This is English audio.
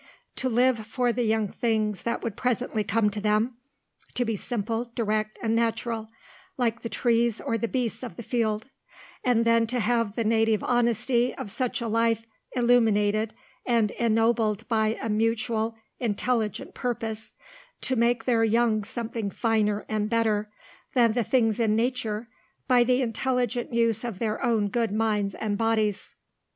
To live for the young things that would presently come to them, to be simple, direct, and natural, like the trees or the beasts of the field, and then to have the native honesty of such a life illuminated and ennobled by a mutual intelligent purpose to make their young something finer and better than the things in Nature by the intelligent use of their own good minds and bodies.